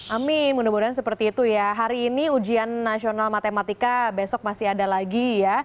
amin mudah mudahan seperti itu ya hari ini ujian nasional matematika besok masih ada lagi ya